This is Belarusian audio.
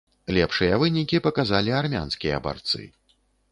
Лепшыя вынікі паказалі армянскія барцы.